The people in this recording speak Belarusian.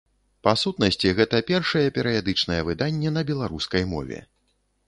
Па сутнасці гэта першае перыядычнае выданне на беларускай мове.